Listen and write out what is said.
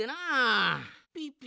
ピピ